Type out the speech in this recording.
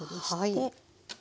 はい。